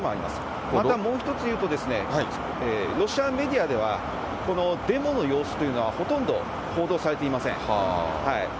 またもう一つ言うと、ロシアメディアでは、このデモの様子というのは、ほとんど報道されていません。